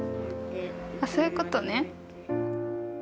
あっそういうことね。